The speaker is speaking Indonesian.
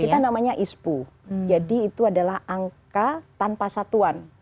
kita namanya ispu jadi itu adalah angka tanpa satuan